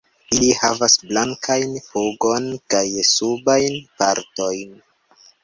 Ili havas blankajn pugon kaj subajn partojn.